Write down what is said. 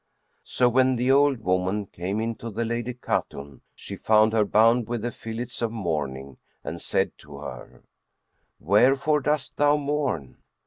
So when the old woman came into the Lady Khatun, she found her bound with the fillets of mourning and said to her, "Wherefore dost thou mourn?"